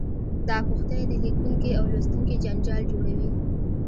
دا پوښتنې د لیکونکي او لوستونکي جنجال جوړوي.